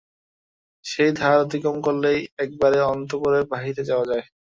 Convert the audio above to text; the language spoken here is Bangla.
সেই দ্বার অতিক্রম করিলেই একেবারে অন্তঃপুরের বাহিরে যাওয়া যায়।